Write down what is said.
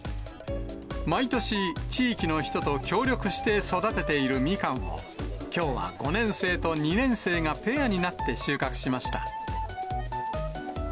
毎年、地域の人と協力して育てているみかんを、きょうは５年生と２年生がペアになって収穫しました。